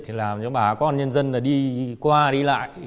thì làm cho bà con nhân dân là đi qua đi lại